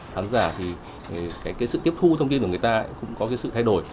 khán giả thì cái sự tiếp thu thông tin của người ta cũng có cái sự thay đổi